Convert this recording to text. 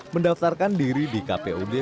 mendaftarkan diri di kpud